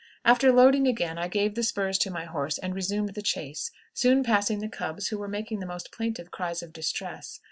After loading again I gave the spurs to my horse and resumed the chase, soon passing the cubs, who were making the most plaintive cries of distress.